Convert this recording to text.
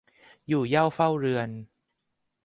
อยู่เหย้าเฝ้าเรือน